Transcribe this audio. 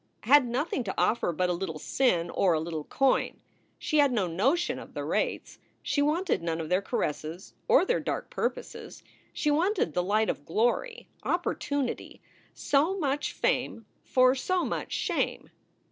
had nothing to offer but a little sin or a little coin. She had no notion of the rates. She wanted none of their caresses or their dark purposes. She wanted the light of glory, opportunity; so much fame for so much shame.